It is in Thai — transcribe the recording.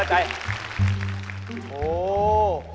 โอ้โห